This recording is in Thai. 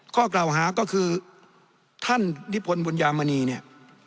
ข้อกล่าวหาก็คือท่านนิพนธ์บุญยามณีเนี่ย